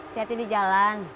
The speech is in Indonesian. siap ini jalan